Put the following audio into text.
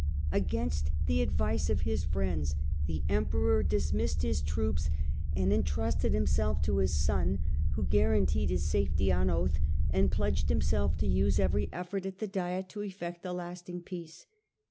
Against the advice of his friends, the emperor dismissed his troops Digitized by GSSgle l80 HiLDEBRAND and entrusted himself to his son, who guaranteed his safety on oath, and pledged himself to use every effort at the diet to effect a lasting peace.